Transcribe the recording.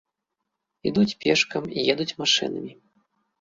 Ідуць пешкам і едуць машынамі.